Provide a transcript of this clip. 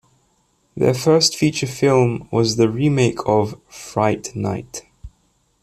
Their first feature film was the remake of "Fright Night".